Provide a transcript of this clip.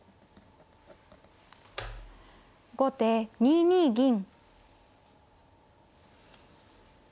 後手２二銀。